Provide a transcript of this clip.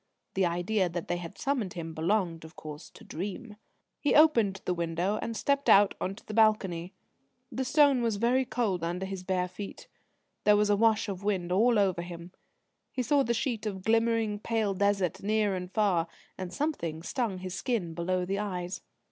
The idea that they had summoned him belonged, of course, to dream. He opened the window, and stepped out on to the balcony. The stone was very cold under his bare feet. There was a wash of wind all over him. He saw the sheet of glimmering, pale desert near and far; and something stung his skin below the eyes.